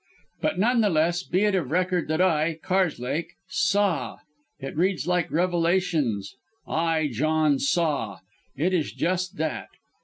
But none the less be it of record that I, Karslake, SAW. It reads like Revelations: 'I, John, saw.' It is just that.